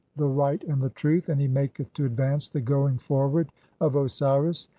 209 "the right and the truth, and he maketh to advance the going "forward * of (7) Osiris.